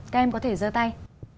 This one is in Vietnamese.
các em có thể dơ tay